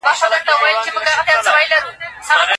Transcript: د زندان تجربې د پوهه په لټه کي د پردیو پر وړاندې قوي کیږي.